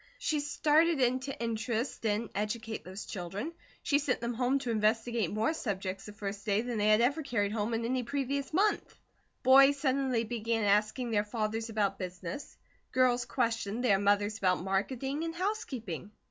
She started in to interest and educate these children; she sent them home to investigate more subjects the first day than they had ever carried home in any previous month. Boys suddenly began asking their fathers about business; girls questioned their mothers about marketing and housekeeping.